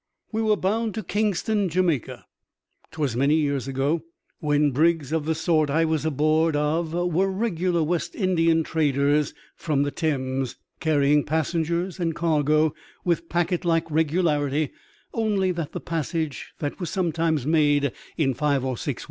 We were bound to Kingston, Jamaica. 'Twas many years ago, when brigs of the sort I was aboard of were regular West Indian traders from the Thames, carrying passengers and cargo with packet like regularity ; only that the passage that was sometimes made in five or six 41 TEIBSTJ AN OCEAN INCIDENT.